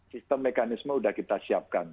sistem mekanisme sudah kita siapkan